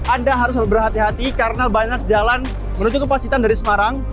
anda harus lebih berhati hati karena banyak jalan menuju ke pacitan dari semarang